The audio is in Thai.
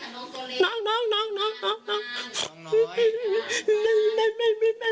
พ่อปู่พูดพูดภาษาอะไรคะ